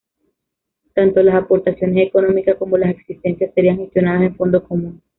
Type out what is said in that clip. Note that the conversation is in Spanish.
Tanto las aportaciones económicas como las existencias serían gestionadas en un fondo común.